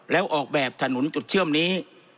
แล้วออกแบบถนนจุดเชื่อมนี้